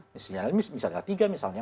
misalnya misalnya tiga misalnya empat